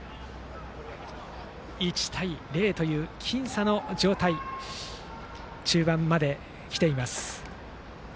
１対０という僅差の状態で中盤まで来ています。